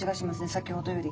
先ほどより。